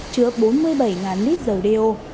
trước bốn mươi bảy lít dầu đeo